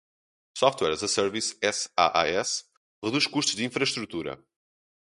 Software as a Service (SaaS) reduz custos de infraestrutura.